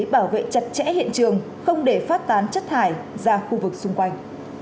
bảo vệ chặt chẽ hiện trường không để phát tán chất thải ra khu vực xung quanh